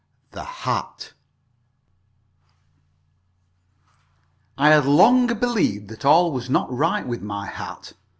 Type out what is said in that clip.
THE HAT I had long believed that all was not right with my hat.